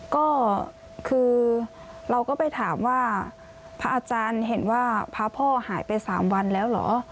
ก็คือเราก็ไปถามว่าพระอาจารย์เห็นว่าพระพ่อหายไป๓วันแล้วเหรอ